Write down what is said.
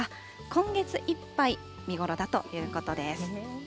今月いっぱい、見頃だということです。